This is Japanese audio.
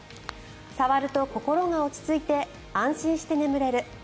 触ると心が落ち着いて安心して眠れる。